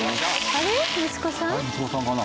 あれ息子さんかな？